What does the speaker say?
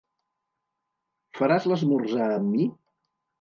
Faràs l'esmorzar amb mi?